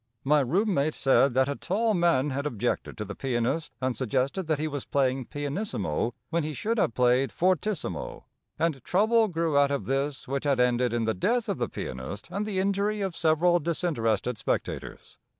My room mate said that a tall man had objected to the pianist and suggested that he was playing pianissimo when he should have played fortissimo, and trouble grew out of this which had ended in the death of the pianist and the injury of several disinterested spectators.